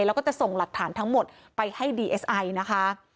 แล้วก็จะส่งหลักฐานทั้งหมดไปให้ดีเอสไอนะคะ